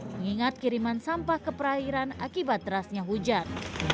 mengingat kiriman sampah ke perairan akibat derasnya hujan